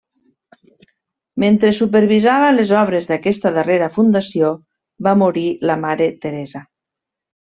Mentre supervisava les obres d'aquesta darrera fundació, va morir la mare Teresa.